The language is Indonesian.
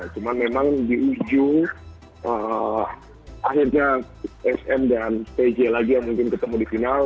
cuma memang di ujung akhirnya sm dan pj lagi yang mungkin ketemu di final